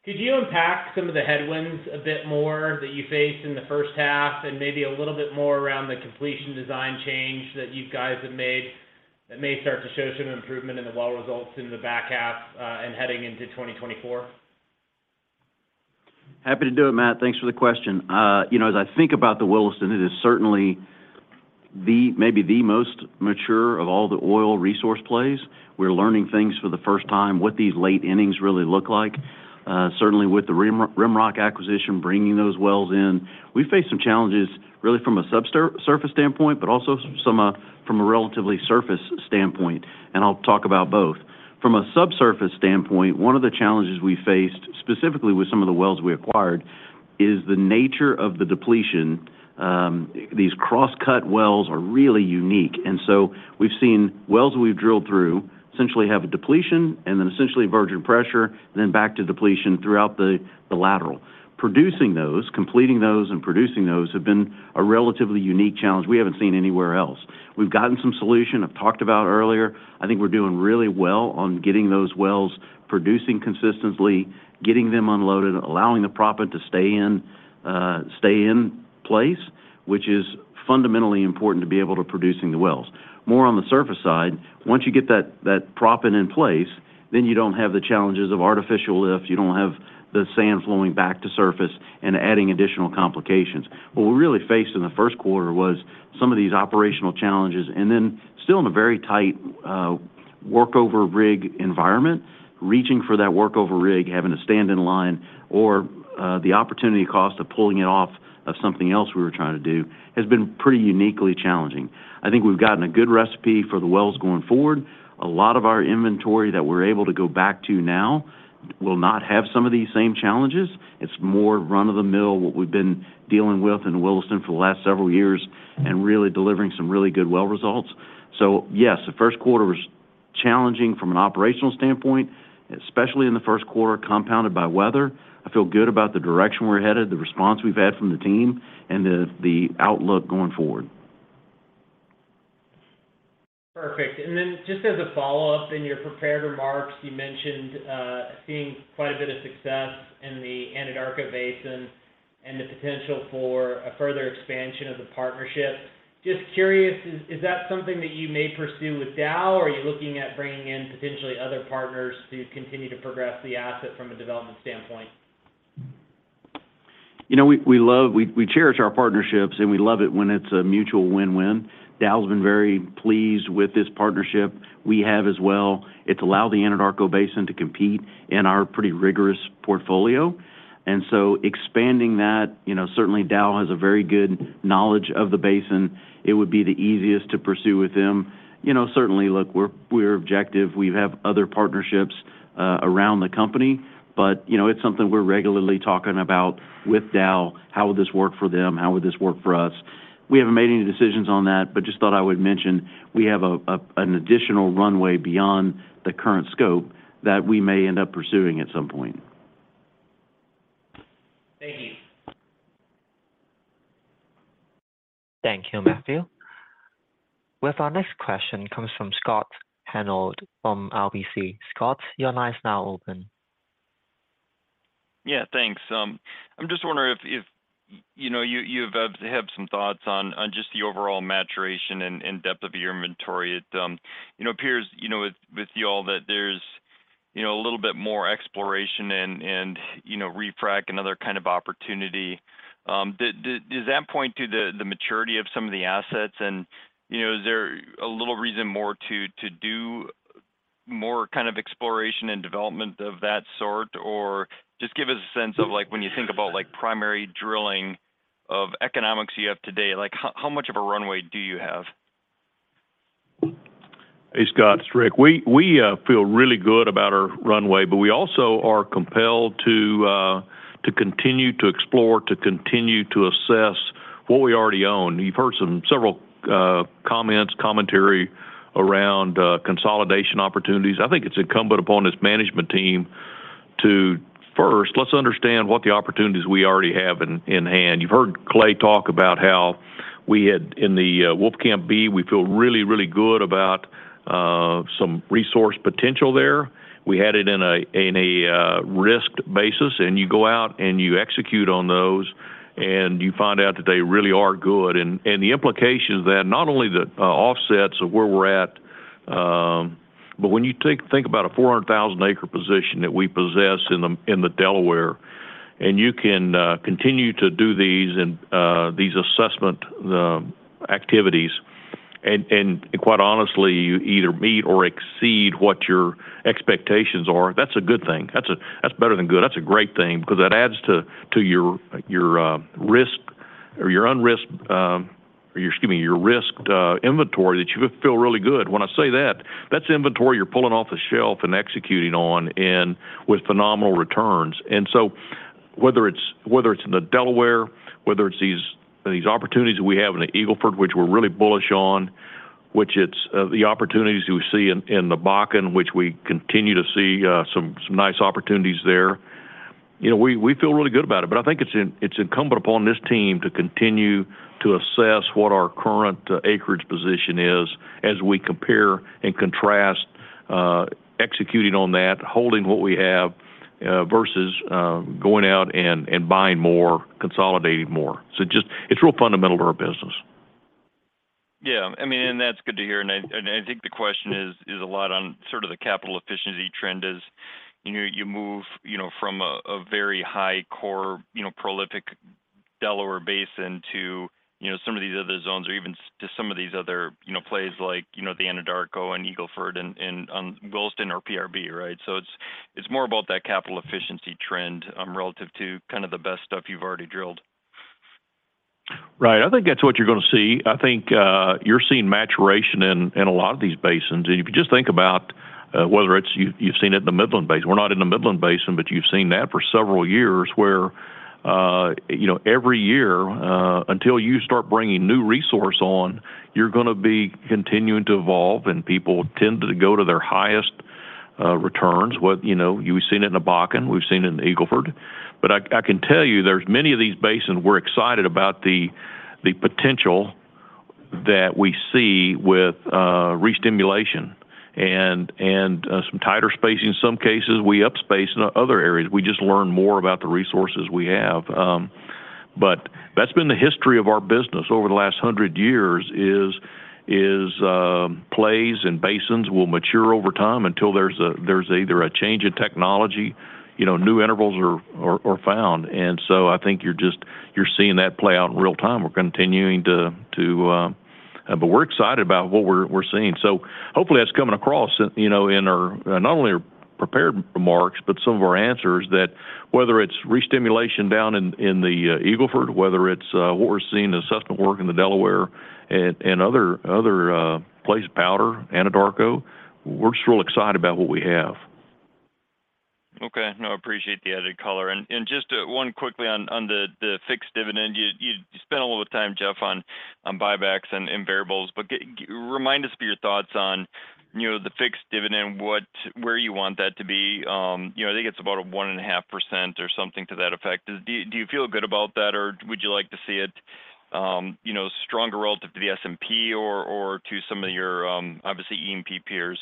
Could you unpack some of the headwinds a bit more that you faced in the first half, and maybe a little bit more around the completion design change that you guys have made, that may start to show some improvement in the well results in the back half, and heading into 2024? Happy to do it, Matt. Thanks for the question. You know, as I think about the Williston, it is certainly the, maybe the most mature of all the oil resource plays. We're learning things for the first time, what these late innings really look like. Certainly with the RimRock acquisition, bringing those wells in, we've faced some challenges really from a subsurface standpoint, but also some, from a relatively surface standpoint, and I'll talk about both. From a subsurface standpoint, one of the challenges we faced, specifically with some of the wells we acquired, is the nature of the depletion. These cross-cut wells are really unique, and so we've seen wells we've drilled through essentially have a depletion, and then essentially virgin pressure, then back to depletion throughout the, the lateral. Producing those, completing those and producing those have been a relatively unique challenge we haven't seen anywhere else. We've gotten some solution I've talked about earlier. I think we're doing really well on getting those wells, producing consistently, getting them unloaded, allowing the proppant to stay in, stay in place, which is fundamentally important to be able to producing the wells. More on the surface side, once you get that, that proppant in place, then you don't have the challenges of artificial lifts. You don't have the sand flowing back to surface and adding additional complications. What we really faced in the first quarter was some of these operational challenges, and then still in a very tight. Workover rig environment, reaching for that workover rig, having to stand in line, or, the opportunity cost of pulling it off of something else we were trying to do, has been pretty uniquely challenging. I think we've gotten a good recipe for the wells going forward. A lot of our inventory that we're able to go back to now will not have some of these same challenges. It's more run-of-the-mill, what we've been dealing with in Williston for the last several years, and really delivering some really good well results. Yes, the first quarter was challenging from an operational standpoint, especially in the first quarter, compounded by weather. I feel good about the direction we're headed, the response we've had from the team, and the outlook going forward. Perfect. Then just as a follow-up, in your prepared remarks, you mentioned seeing quite a bit of success in the Anadarko Basin and the potential for a further expansion of the partnership. Just curious, is, is that something that you may pursue with Dow, or are you looking at bringing in potentially other partners to continue to progress the asset from a development standpoint? You know, we cherish our partnerships, and we love it when it's a mutual win-win. Dow's been very pleased with this partnership. We have as well. It's allowed the Anadarko Basin to compete in our pretty rigorous portfolio, and so expanding that, you know, certainly Dow has a very good knowledge of the basin. It would be the easiest to pursue with them. You know, certainly, look, we're, we're objective. We have other partnerships around the company, but, you know, it's something we're regularly talking about with Dow. How would this work for them? How would this work for us? We haven't made any decisions on that, just thought I would mention, we have an additional runway beyond the current scope that we may end up pursuing at some point. Thank you. Thank you, Matthew. With our next question comes from Scott Hanold from RBC. Scott, your line is now open. Yeah, thanks. I'm just wondering if, if, you know, you, you've have some thoughts on, on just the overall maturation and, and depth of your inventory. It, you know, appears, you know, with, with you all, that there's, you know, a little bit more exploration and, and, you know, refrac and other kind of opportunity. Does that point to the, the maturity of some of the assets? And, you know, is there a little reason more to do more kind of exploration and development of that sort? Or just give us a sense of, like, when you think about, like, primary drilling of economics you have today, like, how, how much of a runway do you have? Hey, Scott, it's Rick. We, we feel really good about our runway, but we also are compelled to to continue to explore, to continue to assess what we already own. You've heard some several comments, commentary around consolidation opportunities. I think it's incumbent upon this management team to first, let's understand what the opportunities we already have in, in hand. You've heard Clay talk about how we had in the Wolfcamp B, we feel really, really good about some resource potential there. We had it in a, in a risked basis, and you go out, and you execute on those, and you find out that they really are good. The implication is that not only the offsets of where we're at, but when you think, think about a 400,000-acre position that we possess in the Delaware, and you can continue to do these these assessment, the activities, and quite honestly, you either meet or exceed what your expectations are, that's a good thing. That's better than good. That's a great thing because that adds to, to your your risk, or your unrisked, or excuse me, your risked inventory that you feel really good. When I say that, that's inventory you're pulling off the shelf and executing on and with phenomenal returns. So whether it's, whether it's in the Delaware, whether it's these, these opportunities we have in the Eagle Ford, which we're really bullish on, which it's, the opportunities we see in, in the Bakken, which we continue to see, some, some nice opportunities there, you know, we, we feel really good about it. I think it's in, it's incumbent upon this team to continue to assess what our current, acreage position is as we compare and contrast, executing on that, holding what we have, versus, going out and, and buying more, consolidating more. Just, it's real fundamental to our business. Yeah, I mean, and that's good to hear, and I, and I think the question is, is a lot on sort of the capital efficiency trend as, you know, you move, you know, from a, a very high core, you know, prolific Delaware Basin to, you know, some of these other zones or even to some of these other, you know, plays like, you know, the Anadarko and Eagle Ford and, and Williston or PRB, right? It's, it's more about that capital efficiency trend relative to kind of the best stuff you've already drilled. Right. I think that's what you're gonna see. I think, you're seeing maturation in, in a lot of these basins. If you just think about, whether it's you, you've seen it in the Midland Basin. We're not in the Midland Basin, but you've seen that for several years, where, you know, every year, until you start bringing new resource on, you're gonna be continuing to evolve, and people tend to go to their highest, returns. What, you know, we've seen it in the Bakken, we've seen it in the Eagle Ford. I, I can tell you, there's many of these basins, we're excited about the, the potential that we see with, restimulation and, and, some tighter spacing. In some cases, we up space in other areas. We just learn more about the resources we have. That's been the history of our business over the last 100 years, is, plays and basins will mature over time until there's either a change in technology, you know, new intervals are found. I think you're just, you're seeing that play out in real-time. We're continuing to we're excited about what we're, we're seeing. Hopefully that's coming across, you know, in our, not only our prepared remarks, but some of our answers that whether it's re-stimulation down in, in the Eagle Ford, whether it's what we're seeing assessment work in the Delaware, and, and other, other place, Powder, Anadarko, we're just real excited about what we have. Okay. No, I appreciate the added color. Just one quickly on, on the, the fixed dividend. You, you spent a little time, Jeff, on, on buybacks and, and variables, but remind us of your thoughts on, you know, the fixed dividend, where you want that to be? You know, I think it's about a 1.5% or something to that effect. Do, do you feel good about that, or would you like to see it, you know, stronger relative to the S&P or, or to some of your, obviously, E&P peers?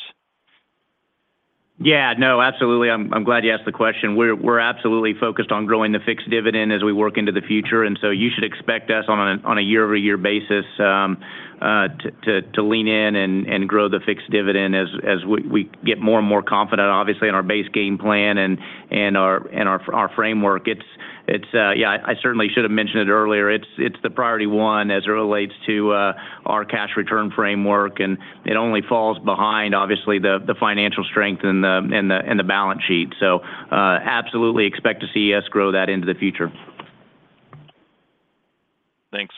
Yeah, no, absolutely. I'm, I'm glad you asked the question. We're, we're absolutely focused on growing the fixed dividend as we work into the future, and so you should expect us on a, on a year-over-year basis, to, to, to lean in and, and grow the fixed dividend as, as we, we get more and more confident, obviously, in our base game plan and, and our, and our, our framework. It's, it's. Yeah, I certainly should have mentioned it earlier. It's, it's the priority one as it relates to our cash return framework, and it only falls behind, obviously, the, the financial strength and the, and the, and the balance sheet. Absolutely expect to see us grow that into the future. Thanks.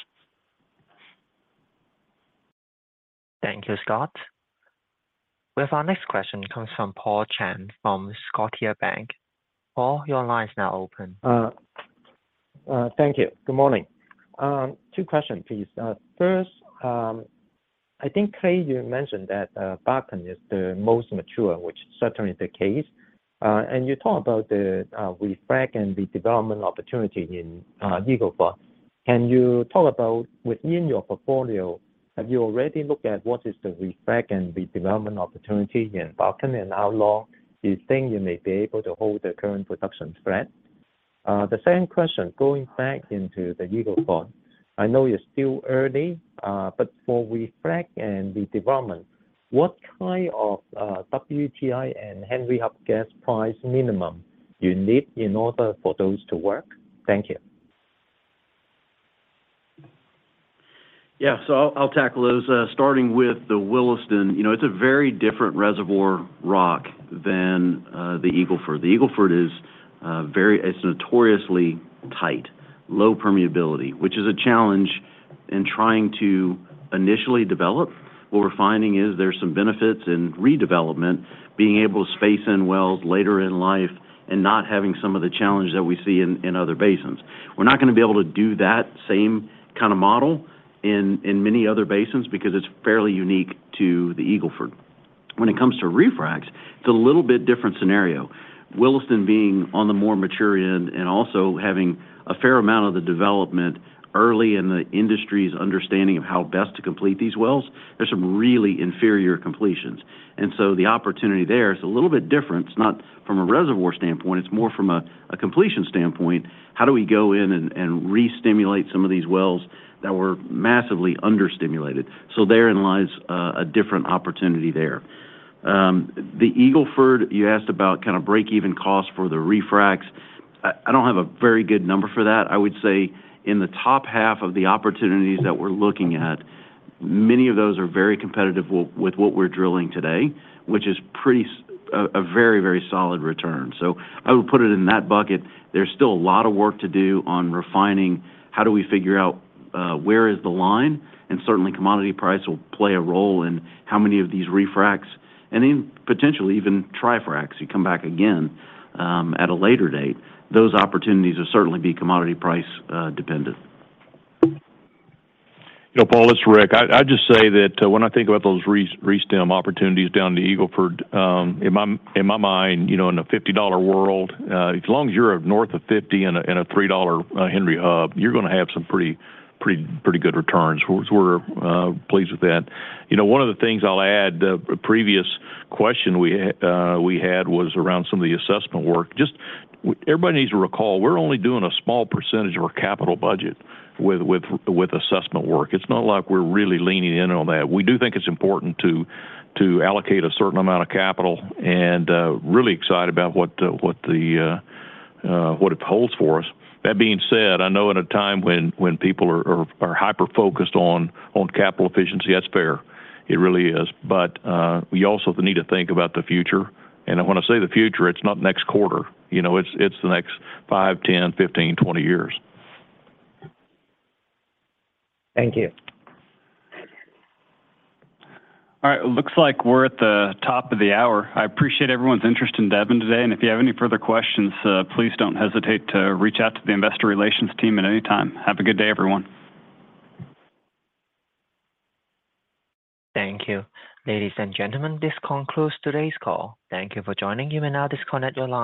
Thank you, Scott. With our next question comes from Paul Cheng, from Scotiabank. Paul, your line is now open. Thank you. Good morning. Two questions, please. First, I think, Clay, you mentioned that Bakken is the most mature, which is certainly the case. You talk about the refrac and the development opportunity in Eagle Ford. Can you talk about within your portfolio, have you already looked at what is the refrac and the development opportunity in Bakken and Outlar? Do you think you may be able to hold the current production spread? The second question, going back into the Eagle Ford, I know you're still early, but for refrac and the development, what kind of WTI and Henry Hub gas price minimum you need in order for those to work? Thank you. Yeah, I'll, I'll tackle those, starting with the Williston. You know, it's a very different reservoir rock than the Eagle Ford. The Eagle Ford is very- it's notoriously tight, low permeability, which is a challenge in trying to initially develop. What we're finding is there's some benefits in redevelopment, being able to space in wells later in life and not having some of the challenges that we see in, in other basins. We're not gonna be able to do that same kind of model in, in many other basins because it's fairly unique to the Eagle Ford. When it comes to refracs, it's a little bit different scenario. Williston being on the more mature end and also having a fair amount of the development early in the industry's understanding of how best to complete these wells, there's some really inferior completions. So the opportunity there is a little bit different. It's not from a reservoir standpoint, it's more from a completion standpoint. How do we go in and re-stimulate some of these wells that were massively under-stimulated? Therein lies a different opportunity there. The Eagle Ford, you asked about kind of break-even costs for the refracs. I, I don't have a very good number for that. I would say in the top half of the opportunities that we're looking at, many of those are very competitive with what we're drilling today, which is pretty a very, very solid return. I would put it in that bucket. There's still a lot of work to do on refining how do we figure out, where is the line, and certainly commodity price will play a role in how many of these refracs, and then potentially even tri-fracs, you come back again, at a later date. Those opportunities will certainly be commodity price, dependent. You know, Paul, it's Rick. I, I'd just say that when I think about those re-stim opportunities down in the Eagle Ford, in my, in my mind, you know, in a $50 world, as long as you're north of $50 and a $3 Henry Hub, you're gonna have some pretty, pretty, pretty good returns. We're, we're pleased with that. You know, one of the things I'll add, the previous question we had, we had was around some of the assessment work. Just everybody needs to recall, we're only doing a small percentage of our capital budget with, with, with assessment work. It's not like we're really leaning in on that. We do think it's important to, to allocate a certain amount of capital and, really excited about what, what the, what it holds for us. That being said, I know at a time when, when people are, are, are hyper-focused on, on capital efficiency, that's fair. It really is. We also need to think about the future. When I say the future, it's not next quarter. You know, it's, it's the next five, 10, 15, 20 years. Thank you. All right. It looks like we're at the top of the hour. I appreciate everyone's interest in Devon today, and if you have any further questions, please don't hesitate to reach out to the investor relations team at any time. Have a good day, everyone. Thank you. Ladies and gentlemen, this concludes today's call. Thank you for joining. You may now disconnect your lines.